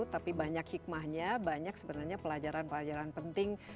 tapi banyak hikmahnya banyak sebenarnya pelajaran pelajaran penting